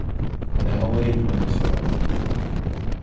Не говоріть мені цього.